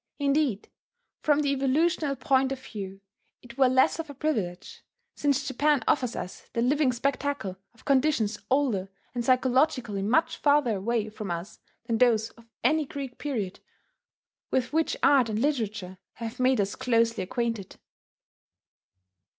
Indeed, from the evolutional point of view, it were less of a privilege, since Japan offers us the living spectacle of conditions older, and psychologically much farther away from us, than those of any Greek period with which art and literature have made us closely acquainted.